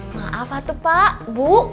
maaf atuh pak bu